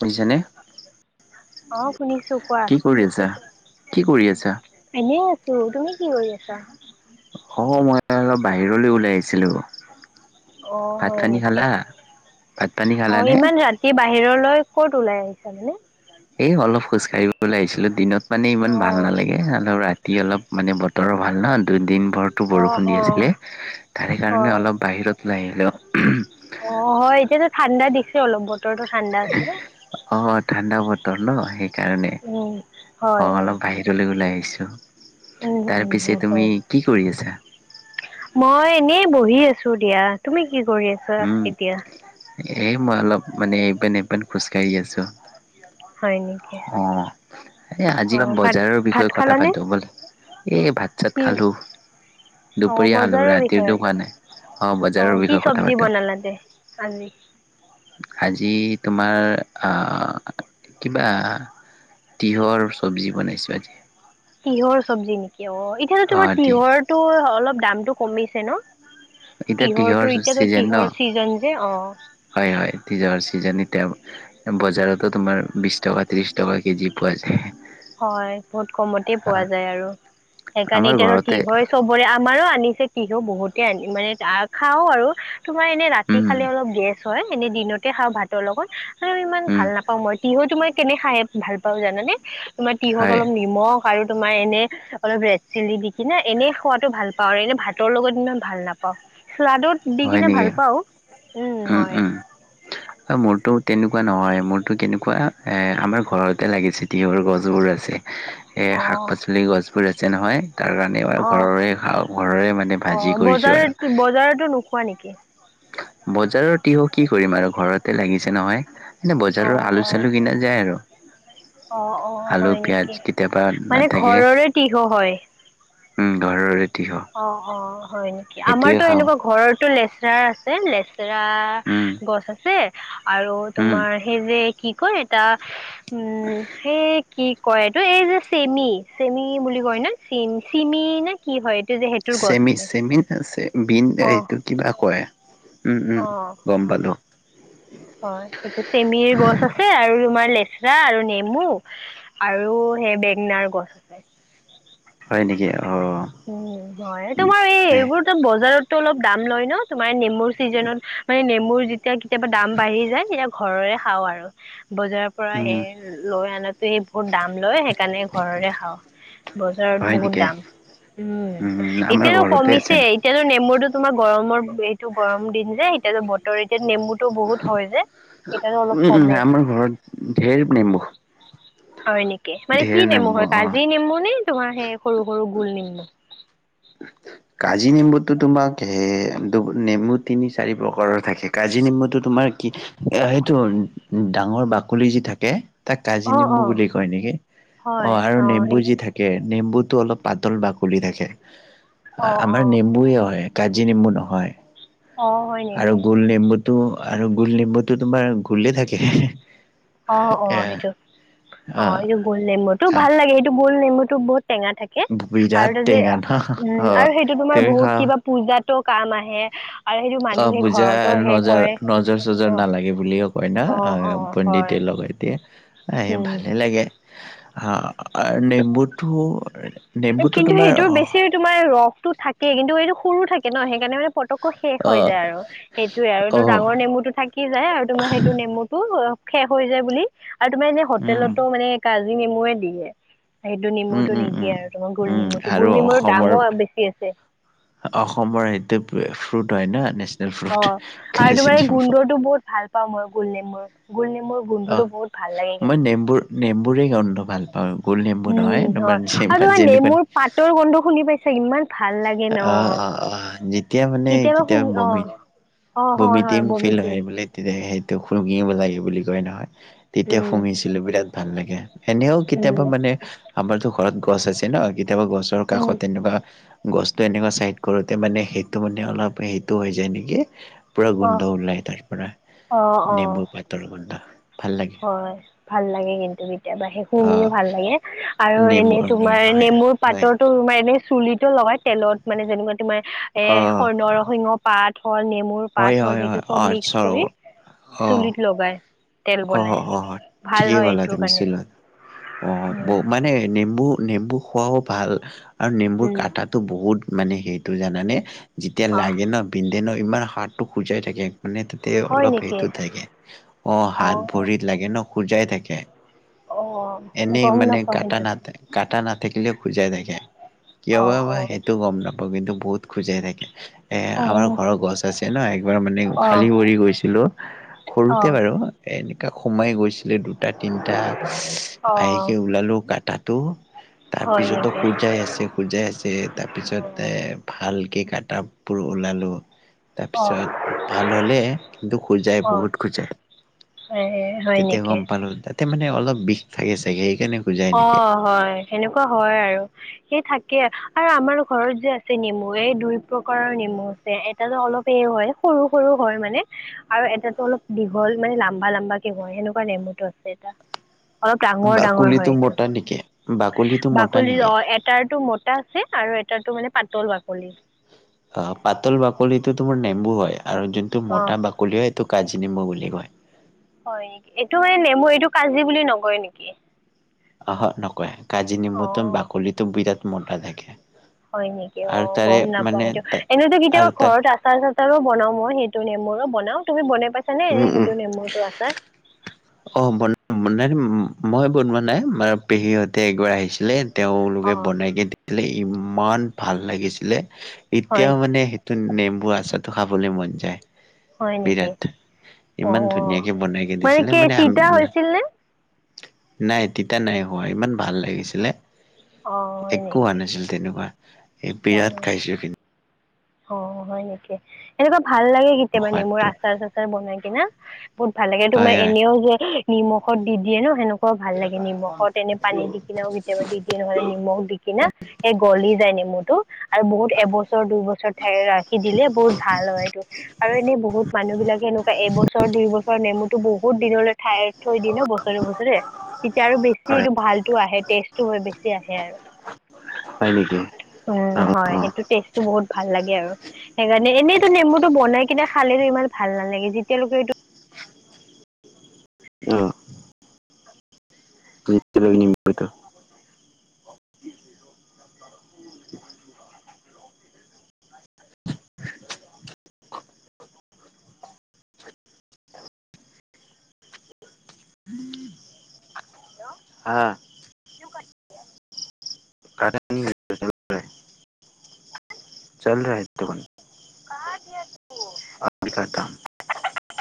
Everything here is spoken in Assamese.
বুইছানে? অ', শুনিছো কোৱা। কি কৰি আছা কি কৰি আছা? এনেই আছো, তুমি কি কৰি আছা? অ', মই অলপ বাহিৰলৈ ওলাই আহিছিলোঁ। অ', ভাত হয় পানী নেকি? খালা ভাত পানী খালানে? সেই বাহিৰলৈ ক'ত ওলাই আহিছা মানে? এই অলপ খোজ কাঢ়িবলৈ আহিছিলোঁ দিনত মানে ইমান ভাল অ', নালাগে হা [unintelligible] ৰাতি অলপ মানে বতৰো ভাল ন দুদিন বৰটো অ', বৰষুণ দি অ', আছিলে। তাৰে কাৰণে হয়। অলপ বাহিৰত ওলাই আহিলোঁ। অ', হয় এতিয়াতো ঠাণ্ডা দিছে অলপ বতৰতো ঠাণ্ডা আছে। অ' ঠাণ্ডা বতৰ ন সেইকাৰণে উম, অ' হয়, হয়। অলপ বাহি লৈ ওলাই আহিছোঁ। উম, উম, উম, তাৰপিছে তুমি হয়। কি কৰি আছা? মই এনেই বহি আছো দিয়া, তুমি কি কৰি আছ উম, এ মই অলপ মানে ইপিন সিপিন খোজকাাঢ়ি আছোঁ। হয়, নেকি? অ', এই আজি অ', ভাত বজাৰৰ ভাত বিষয়ে কথা খালানে? পাতো বল এই ভাত চাত কি খালোঁ। অ', দুপৰীয়া খালোঁ বজাৰৰ বিষয়ে ৰাতিৰতো খোৱা নাই। অ' বজাৰৰ কি বিষয়ে কথা চব্জি পাতো। বনালা [inaudible] আজি তোমাৰ আ কিবা তিঁয়হৰ চব্জি বনাইছোঁ আজি। তিয়ঁহৰ চব্জি নিকি অ' সেইফালে অ তোমাৰ তিহ তিয়ঁহৰটো অলপ দামটো কমিছে ন? এতিয়া তিঁহৰ তিয়হঁৰটো এতিয়াতো চিজন ন তিয়হঁৰ চিজন যে অ'। হয়, হয়, তিয়হঁৰ চিজন এতিয়া। বজাৰতো তোমাৰ বিশ টকা ত্ৰিশ টকা কেজি পোৱা যায়। হয়, বহুত কমতে পোৱা যায় আৰু সেইকাৰণে আমাৰ এতিয়াতো ঘৰতে তিয়হঁৰ চবৰে আমাৰো আনিছে তিহু বহুতে আনি মানে তাক খাওঁ আৰু। তোমাৰ এনে ৰাতি উম খালে অলপ গেছ হয়, এনে দিনতে খাওঁ ভাতৰ লগত আৰু ইমান উম ভাল নাপ ওঁ মই তিহুটো তোমাৰ কেনে খাই ভাল পাওঁ জানানে? তোমাৰ তিহঁত হয় অলপ নিমখ আৰু তোমাৰ এনে অলপ ৰেড চিলি দি কিনে, এনেই খোৱাটো ভাল পাওঁ আৰু এনে ভাতৰ লগত ইমান ভাল নাপাওঁ। শ্লাডত দি হয় কিনে ভাল নেকি পাও উম, হয়। অ', মোৰতো তেনেকুৱা নহয় মোৰতো কেনেকুৱা এ আমাৰ ঘৰতে লাগিছিল। তিয়হৰ গছবোৰ আছে, এ অ শাক পাচলি গছবোৰ আছে নহয় তাৰ অ [unintelligible] ঘৰৰে খাওঁ, ঘৰৰে মানে অ ভাজি কৰিছো আৰু। বজাৰত [unintelligible] নোখোৱা নেকি? বজাৰৰ তিয়হ কি কৰিম, আৰু ঘৰতে লাগিছে নহয়। এনে অ বজাৰৰ অ আলু চালু কিনা যায় আৰু। অ', অ', আলু হয় পিয়াজ নেকি। কেতিয়াবা মানে নাথাকে ঘৰৰে তিহ হয়। উম, ঘৰৰে তিহ। অ', অ', হয় নেকি। আমাৰতো এনেকুৱা ঘৰৰটো লেচৰা আছে লেচ উম [unintelligible] গছ আছে আৰু উম তোমাৰ সেই যে কি কয় এটা উম, সেই কি কয় এইটো এই যে, চেমি, চেমি, বুলি কয় ন, চিম, চিমি, নে কি হয় এইটো যে সেইটোৰ গছ চেমি আছে [unintelligible] অ এইটো কিবা কয় উম উম অ' গম পালো হয়, সেইটো চেমিৰ গছ আছে আছে আৰু তোমাৰ, লেচৰা আৰু নেমু আৰু সেই বেঙেনাৰ গছ। আছে হয় নেকি? অ'। উম, হয়। তোমাৰ এই হে এইবোৰ বজাৰতটো অলপ দাম লয় ন, তোমাৰ নেমুৰ চিজনত মানে নেমুৰ যেতিয়া কেতিয়াবা দাম বাঢ়ি যায় তেতিয়া ঘৰৰে খাওঁ আৰু বজাৰৰ পৰা উম সেই লৈ আনাটো বহুত দাম লয় সেইকাৰণে ঘৰৰে খাওঁ। বজাৰত হয় বহুত নেকি দাম। উম, আমাৰ এতিয়াতো ঘৰতে আছে। কমিছে এতিয়াটো নেমুৰটো তোমাৰ গৰমৰ এইটো গৰম দিন যে এতিয়া [unintelligible] এতিয়া নেমুটো বহুত হয় যে সেইকাৰণে অলপ উম, কমে। আমাৰ ঘৰত ঢেৰ নেমু। হয় নেকি। মানে কি নেমু নেম্বু হয় অ'। কাজি নেমু নে তোমাৰ সেই সৰু সৰু গোল নেমু। [inaudible] কাজি নেম্বুটো তোমাক নেমু তিনি চাৰি প্ৰকাৰৰ থাকে কাজি নেম্বুটো তোমাৰ কি সেইটো ডাঙৰ বাকলি যি থাকে তাক কাজি অ নেম্বু অ বুলি কয় নেকি হয় আৰু অ নেম্বু সেইটো যি থাকে নেম্বুটো অলপ পাতল বাকলি থাকে। অঁ আমাৰ অঁ নেম্বুয়ে হয়, কাজি নেম্বু নহয় অঁ হয় নেকি আৰু গোল নেম্বুত আৰু গোল নিম্বুতো তোমাৰ গোলে থাকে। অ', অ', এ সেইটো অ', এইটো গোল নেম্বুটো ভাল লাগে এইটো গোল নেম্বু টো বহুত টেঙা থাক আৰু বিৰাট ততে টেঙা ন উম অ আৰু সেইটো তোমাৰ তুমি বহুত খোৱা কিবা পূজাতো কাম আহে। আৰু সেইটো অ', মানুহে পূজা ঘৰতো সেই নজৰ, কৰে নজৰ চজৰ অঁ নালাগে বুলিও কয় অঁ অঁ ন হয় পণ্ডিতে লগাই এতিয়া এ উম। ভালে লাগে আহ নেম্বুটো নেম্বুটো কিন্তু তোমাৰ সেইটোৰ বেছি তোমাৰ ৰসটো থাকে কিন্তু এইটো সৰু থাকে ন সেইকাৰণে মানে পতক [unintelligible] শেষ হৈ যায় আৰু সেইটোয়ে আৰু অ ডাঙৰ নেমুতটো থাক [unintelligible] যায় আৰু তোমাৰ সেইটো নেমুটো শেষ হৈ যায় বুলি আৰু তোমাৰ এনে উম হোটেলতো মানে কাজি নেমুয়ে দিয়ে, সেইটো উম নেমুটো উম নিদিয়ে উম আৰু তোমাৰ গোল উম নেমুটো আৰু গোল নেমুৰ অসমৰ দামো বেছি আছে। অসমৰ সেইটোৱে ফ্ৰুট হয় না, নেচ অ', আৰু তোমাৰে গোন্ধটো বহুত ভাল পাওঁ মই গোল নেমুৰ, গোল নেমুৰ গোন্ধটো বহুত ভাল লাগে কিন্তু। নেমুৰেই গন্ধ ভাল পাওঁ গোল নেমু নহয় তোমাৰ [unintelligible] তোৰ গন্ধ শুনি পাইছ ইমান ভাল লাগে অ' ন অ অ যেতিয়া মানে শু কেতিয়াবা বমি অ অ বমি হয় হয় ডিম ফিল বমিটিং হয় বুলি তেতিয়া সেইটো শুহিব লাগে বুলি কয় নহয় তেতিয়া উম শুহিছিলো বিৰাট ভাল লাগে। এনেও উম কেতিয়াবা মানে আমাৰতো ঘৰত গছ আছে ন কেতিয়াবা গছৰ উম কাষত তেনেকুৱা গছটো এনেকুৱা চাইড কৰোঁতে মানে সেইটো মানে অলপ সেইটো হৈ যায় নেকি। পুৰা অ গোন্ধ ওলায় তাৰ পৰা৷ অ অ নেমু পাতৰ গোন্ধ৷ ভাল লাগে হয়৷ ভাল লাগে কিন্তু কেতিয়াবা, সেই শুঙিয়ে অ'। ভাল লাগে আৰু নেমু এনে নহয় তোমাৰ হয় নেমুৰ হয় পাতৰতো তোমাৰ এনে চুলিতো লগাই তেলত মানে যেনেকুৱা তোমাৰ এ স অ'। নৰসিংহৰ পাত হ'ল নেমুৰ পাত হয় হ'ল হয় হয় সেইটো চব অ' চ মিক্স কৰি, চুলিত লগায় তেল বনাই অ' অ' অ ভাল ঠিকে হয় ক'লা এইটোৰ তুমি মিক্স কাৰণে কৰি লয় অ ব উম মানে নেমু নেমু খোৱাও ভাল আৰু নেমুৰ উম কাটাটো বহুত মানে সেইটো জানানে যেতিয়া অ লাগে ন বিন্ধে ন ইমান হাতটো খুজাই থাকে৷ মানে তাতে হয় অলপ নেকি সেইটো থাকে অ' হাত ভৰিত লাগে ন খুজাই থাকে৷ অ' অ এনেই মানে কাটা নাথে কাটা নাথাকিলেও খুজাই থাকে কিয় অ বা বা সেইটো গম নাপাওঁ। মোৰ কিন্তু বহুত খুজাই থাকে। এ অ অ আমাৰ ঘৰৰ গছ আছে ন একবাৰ মানে অ খালী ভৰি গৈছিলো সৰুতে অ' বাৰু। এনেকা সোমাই গৈছিলে দুটা তিনটা ইচ আই অ' ওলালোঁ কাটাটো তাৰ হয় পিছতো নেকি খুজাই আছে। খুজাই আছে তাৰপিছত এ ভালকে কাটাবোৰ ওলালোঁ। অ' অ' তাৰপিছত ভাল হ'লে কিন্তু খুজায় অ' বহুত খুজায়। এ হয় তেতিয়া নেকি গম পালোঁ তাতে মানে অলপ বিষ থাকে চাগে সেইকাৰণে খোজাই নেকি অ' হয় সেনেকুৱা হয় আৰু। সেই থাকে আৰু আমাৰ ঘৰত যে আছে নেমু এই দুই প্ৰকাৰৰ নেমু এ এটাতো অলপ হেৰি হয় সৰু সৰু হয় মানে। আৰু এটাতো অলপ দীঘল মানে লাম্বা লাম্বা কে হয় সেনেকুৱা নেমুটো আছে এটা। অলপ ডাঙৰ ডাঙৰ হয়। এইটো হয় নেকি বাকলিটো মোটা বাকলি নেকি অ' এটাৰটো মোটা আছে, আৰু এটাৰটো মানে পাতল বাকলি। অ' পাতল বাকলিটো তোমাৰ নেমু হয় আৰু যোনটো অ' মোটা বাকলি হয় সেইটো কাজি নেমু বুলি কয়। হয় নেকি এইটো মানে নেমু এইটো কাজি বুলি নকয় নেকি অহ' নকয় কাজি নেমুটো অ' বাকলিটো বিৰাট মোটা থাকে। হয় নেকি আৰু অ' তাৰে গম নাপাওঁ মানে সেইটো এনেতো কেতিয়াবা আৰু তাৰ ঘৰত আছে আচাৰ চাচাৰো বনাওঁ মই সেইটো নেমুৰো বনাওঁ তুমি বনাই পাইছাঁ নে উম উম সেইটো নেমুৰটো আচাৰ অ' ব বনাই মই বনোৱা নাই আমাৰ পেহীহতে এবাৰ আহিছিলে। অ তেওঁলোকে বনাই কে দিছিলে ইমান ভাল লাগিছিলে হয় এতিয়াও মানে নেকি নেমু আচাৰটো খাবলৈ মন যায়। হয় নেকি বিৰাট অ ইমান ধুনীয়াকে বনাই কে দিছিলে। কি মানে তিতা হৈছিল নে নাই তিতা নাই হোৱা ইমান ভাল লাগিছিলে। অ হয় একো হোৱা নেকি নাছিল তেনেকুৱা। এই বিৰাট অ' খাইছো কিন্তু অ' হয় নেকি এনেকুৱা ভাল লাগে কেতিয়াবা নেমুৰ সোৱাদটো আচাৰ-চাচাৰ বনাই কিনে, বহুত ভাল লাগে। তোমাৰ হয় হয় এনেও যে নিমখত দি দিয়ে ন? সেনেকুৱাও ভাল লাগে। নিমখত এনে পানী দি কিনেও কেতিয়াবা দি দিয়ে নহয়, নিমখ দি কিনে, সেই গলি যায় নেমু। টো আৰু বহুত এবছৰ দুবছৰ ৰাখি দিলে বহুত ভাল হয়, এইটো। আৰু এনে বহুত মানুহ বিলাকে এনেকুৱা এবছৰ, দুই বছৰ নেমুটো বহুত দিনলৈ ঠাই থৈ দিয়ে ন, বছৰে বছৰে। তেতিয়া আৰু বেছি হয় এইটো ভালটো আহে, টেষ্টটো হৈ বেছি আহে আৰু। হয় নেকি? অ অ উম্ হয়, সেইটো টেষ্টটো বহুত ভাল লাগে আৰু। সেইকাৰণে এনেইতো নেমুটো বনাই কিনে খালে যে ইমান ভাল নালাগে। যেতিয়ালৈকে এইটো অ নেমু কাটি হা কাটা চল ৰা